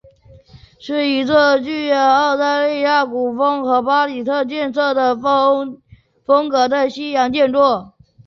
是一座具有意大利古典风格和巴洛克建筑风格的西洋建筑。